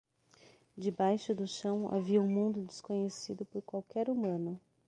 Debaixo do chão havia um mundo desconhecido por qualquer humano.